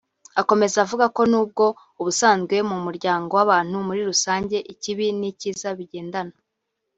Akomeza avuga ko n’ubwo ubusanzwe mu muryango w’abantu muri rusange ikibi n’icyiza bigendana